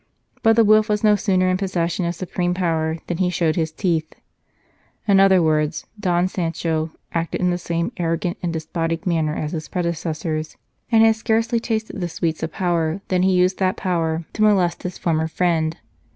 But the wolf was no sooner in possession of supreme power than he showed his teeth. In other words, Don Sancho acted in the same arrogant and despotic manner as his predecessors, and had scarcely tasted the sweets of power when he used that power to molest his former friend.